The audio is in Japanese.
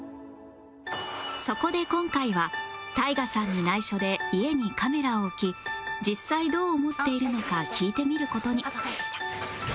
そこで今回は ＴＡＩＧＡ さんに内緒で家にカメラを置き実際どう思っているのか聞いてみる事に